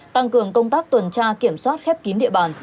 tăng cường công tác tuần tra kiểm soát khép kín địa bàn